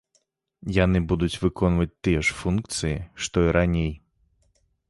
Яны будуць выконваць тыя ж функцыі, што і раней.